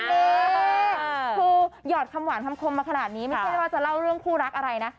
คือหยอดคำหวานคำคมมาขนาดนี้ไม่ใช่ว่าจะเล่าเรื่องคู่รักอะไรนะ